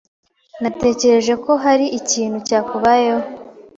Natekereje ko hari ikintu cyakubayeho.